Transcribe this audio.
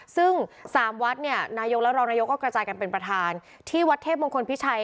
ซึ่งสามวัดเนี่ยนายกและรองนายกก็กระจายกันเป็นประธานที่วัดเทพมงคลพิชัย